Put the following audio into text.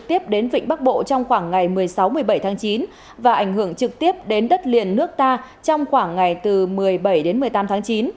tiếp đến vịnh bắc bộ trong khoảng ngày một mươi sáu một mươi bảy tháng chín và ảnh hưởng trực tiếp đến đất liền nước ta trong khoảng ngày từ một mươi bảy đến một mươi tám tháng chín